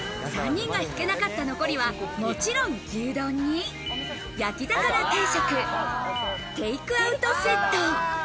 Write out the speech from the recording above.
３人が引けなかった残りは、もちろん牛丼に焼魚定食、テイクアウトセット。